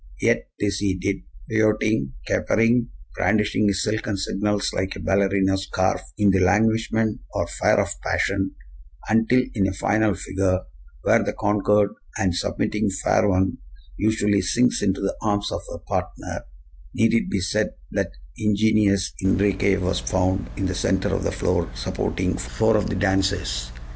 Yet this he did, pirouetting, capering, brandishing his silken signals like a ballerina's scarf in the languishment or fire of passion, until, in a final figure, where the conquered and submitting fair one usually sinks into the arms of her partner, need it be said that the ingenious Enriquez was found in the center of the floor supporting four of the dancers!